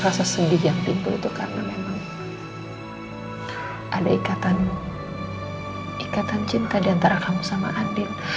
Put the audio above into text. rasa sedih yang tipe itu karena memang ada ikatan cinta diantara kamu sama andin